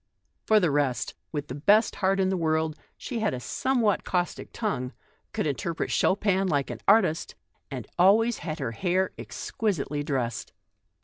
For the rest, with the best heart in the world, she had a somewhat caustic tongue, could interpret Chopin like an artist, and always had her hair exquisitely dressed.